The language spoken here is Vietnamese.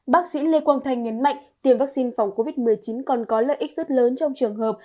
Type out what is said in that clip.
bác sĩ lê quang thanh nhấn mạnh tiêm vaccine phòng covid một mươi chín còn có lợi ích rất lớn trong trường hợp